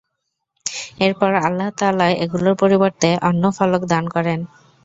এরপর আল্লাহ তাআলা এগুলোর পরিবর্তে অন্য ফলক দান করেন।